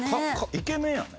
イケメンやね。